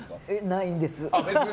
ないんです。